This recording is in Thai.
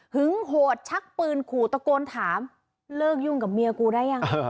โหดชักปืนขู่ตะโกนถามเลิกยุ่งกับเมียกูได้ยัง